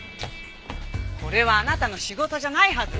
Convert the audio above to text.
これはあなたの仕事じゃないはず。